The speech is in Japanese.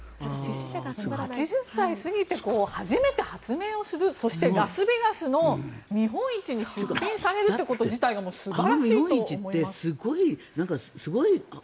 ８０歳過ぎて初めて発明をするそしてラスベガスの見本市に出展されるということ自体が素晴らしいと思いますね。